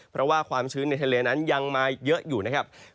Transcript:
เพราะว่าความชื้นในทะเลนั้นยังมาเยอะอยู่นะครับ